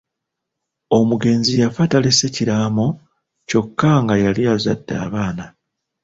Omugenzi yafa talese kiraamo kyokka nga yali azadde abaana.